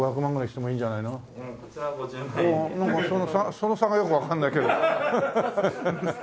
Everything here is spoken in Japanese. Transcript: その差がよくわかんないけど。